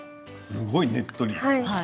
すごい、ねっとり。